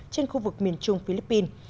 trên khu vực miền trung philippines